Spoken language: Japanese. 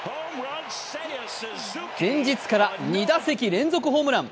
先日から２打席連続ホームラン。